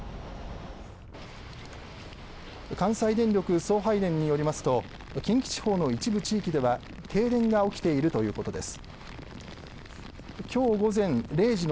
関西電力送配電によりますと近畿地方の一部地域では停電が起きているということです。